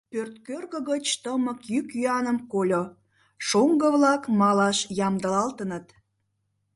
Пӧрткӧргӧ гыч тымык йӱк-йӱаным кольо: шоҥго-влак малаш ямдылалтыныт.